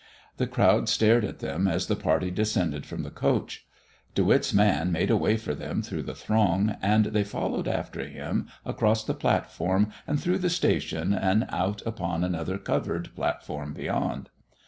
The crowd stared at them as the party descended from the coach. De Witt's man made a way for them through the throng, and they followed after him across the platform and through the station and out upon another covered platform beyond.